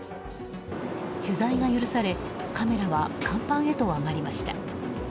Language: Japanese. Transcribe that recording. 取材が許されカメラは甲板へと上がりました。